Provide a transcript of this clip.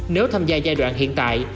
nếu tham gia giai đoạn hiện tại